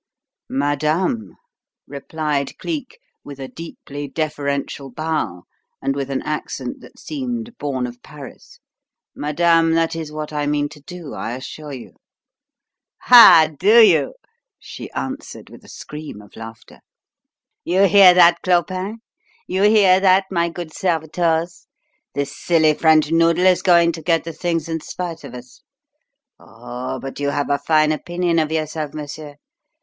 "Madame," replied Cleek, with a deeply deferential bow and with an accent that seemed born of Paris, "madame, that is what I mean to do, I assure you." "Ah, do you?" she answered, with a scream of laughter. "You hear that, Clopin? You hear that, my good servitors? This silly French noodle is going to get the things in spite of us. Oho, but you have a fine opinion of yourself, monsieur.